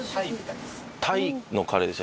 タイのカレーでした。